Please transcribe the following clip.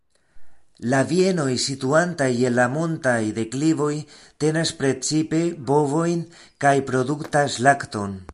La bienoj situantaj je la montaj deklivoj tenas precipe bovojn kaj produktas lakton.